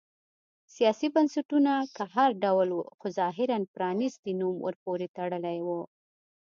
سیاسي بنسټونه که هر ډول و خو ظاهراً پرانیستی نوم ورپورې تړلی و.